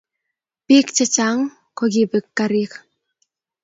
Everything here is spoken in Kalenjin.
Pik che chang kokipek karik